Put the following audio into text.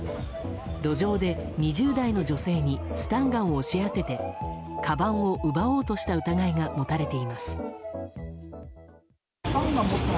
路上で２０代の女性にスタンガンを押し当ててかばんを奪おうとした疑いが持たれています。